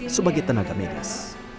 sebagai tenaga medis